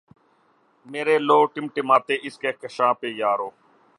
میری لؤ ٹمٹمائے اسی کہکشاں پہ یارو